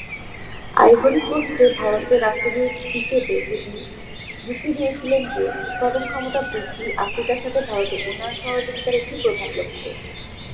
Ivory কোস্টে ভারতের রাষ্ট্রদূত হিসেবে তিনি যুক্তি দিয়েছিলেন যে, উৎপাদন ক্ষমতা বৃদ্ধি আফ্রিকার সাথে ভারতের উন্নয়ন সহযোগিতার একটি প্রধান লক্ষ্য।